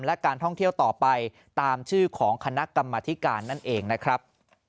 และการท่องเที่ยวต่อไปตามชื่อของคณะกรรมธิการนั่นเองนะครับ